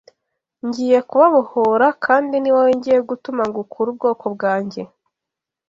Ngiye kubabohora kandi ni wowe ngiye gutuma ngo ukure ubwoko bwanjye